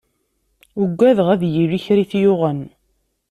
Uggadeɣ ad yili kra i t-yuɣen.